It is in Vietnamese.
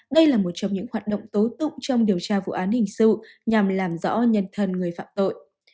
đây là một trong những hoạt động tố tụng trong điều tra vụ án hình sự nhằm làm rõ nhân thân người phạm tội